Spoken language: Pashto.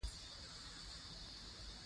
چې د تښتېدلو او ورکو سپکو